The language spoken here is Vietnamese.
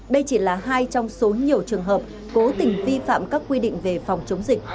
đây chỉ là hai trong số nhiều trường hợp cố tình vi phạm các quy định về phòng chống dịch